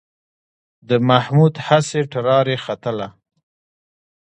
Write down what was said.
د محمود هسې ټراري ختله.